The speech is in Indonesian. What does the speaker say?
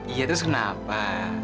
iya terus kenapa